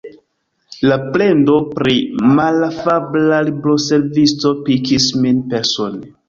La plendo pri malafabla libroservisto pikis min persone.